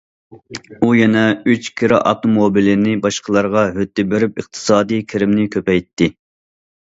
ئۇ يەنە ئۈچ كىرا ئاپتوموبىلىنى باشقىلارغا ھۆددە بېرىپ، ئىقتىسادىي كىرىمىنى كۆپەيتتى.